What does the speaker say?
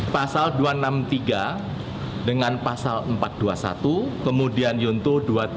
pasal dua ratus enam puluh tiga dengan pasal empat ratus dua puluh satu kemudian yunto dua puluh tiga